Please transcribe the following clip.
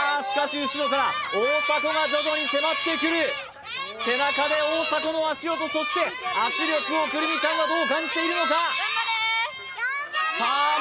しかし後ろから大迫が徐々に迫ってくる背中で大迫の足音そして圧力を來南ちゃんはどう感じているのかさあ